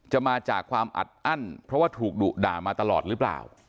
มาจากความอัดอั้นเพราะว่าถูกดุด่ามาตลอดหรือเปล่า